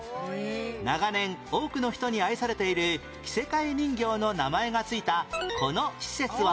長年多くの人に愛されている着せ替え人形の名前が付いたこの施設は？